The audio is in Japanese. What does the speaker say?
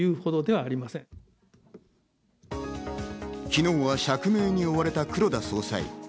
昨日は釈明に追われた黒田総裁。